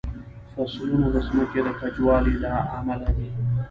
فصلونه د ځمکې د کجوالي له امله دي.